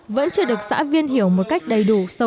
vẫn chưa được xã viên hiểu một cách đầy đủ